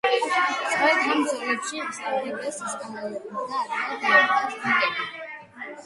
სწორედ ამ ბრძოლებით ისარგებლეს ესპანელებმა და ადვილად დაიპყრეს ინკები.